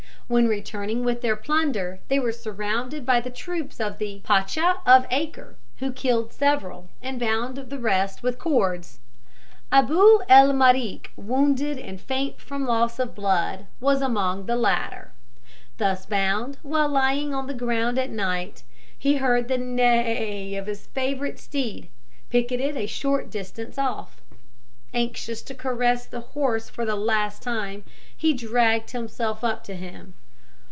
When returning with their plunder, they were surrounded by the troops of the Pacha of Acre, who killed several, and bound the rest with cords. Abou el Marek, wounded and faint from loss of blood, was among the latter. Thus bound, while lying on the ground at night, he heard the neigh of his favourite steed, picketed at a short distance off. Anxious to caress the horse for the last time, he dragged himself up to him.